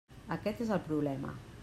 Aquest és el problema.